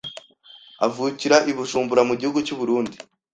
avukira I Bujumbura mu gihugu cy’ u Burundi